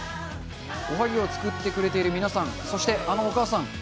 おはぎを作ってくれている皆さんそして、あのお母さん！